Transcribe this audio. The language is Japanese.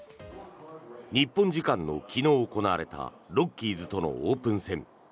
日本時間の昨日行われたロッキーズとのオープン戦。